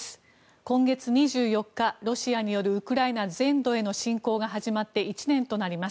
今月２４日、ロシアによるウクライナ全土への侵攻が始まって１年となります。